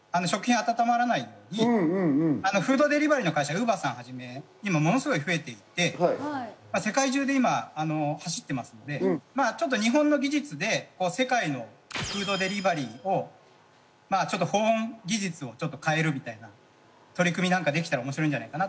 フードデリバリーの会社ウーバーさんをはじめ今ものすごい増えていて世界中で今走っていますのでちょっと日本の技術で世界のフードデリバリーを保温技術を変えるみたいな取り組みなんかできたらおもしろいんじゃないかな。